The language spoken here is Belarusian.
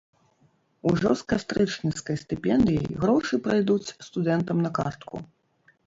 Ужо з кастрычніцкай стыпендыяй грошы прыйдуць студэнтам на картку.